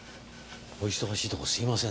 お忙しいとこすみません。